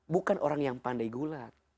bukan orang yang pandai gulat